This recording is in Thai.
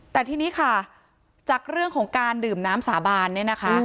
แต่ทีนี้ค่ะจากเรื่องของการดื่มน้ำสาบานเนี่ยนะคะ